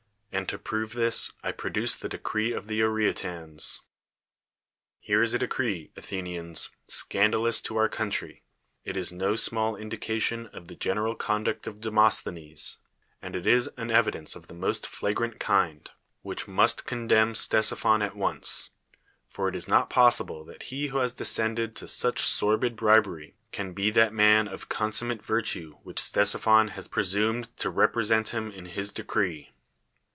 And, to ju'ove this, I produce the decree of the Oreitans. ITere is a decree, Athenians, scandalous to our country. It is no small indication of the general condnct of Demosthenes, and it is an (>vidence of the most flagrant kind, which must 2T0 ^SCHINES condemn Ctesiphon at onee : for it is not possible that he who has descended to such sordid bribery can be that man of consunmiate virtue which Ctesiphon has presumed to represent him in his decree.